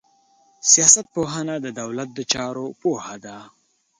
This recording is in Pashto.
سياست پوهنه د دولت د چارو پوهه ده.